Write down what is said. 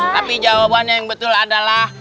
tapi jawabannya yang betul adalah